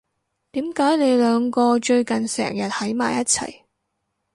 點解你兩個最近成日喺埋一齊？